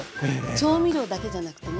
調味料だけじゃなくてね